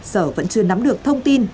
sở vẫn chưa nắm được thông tin